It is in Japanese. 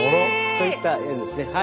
そういった縁ですね。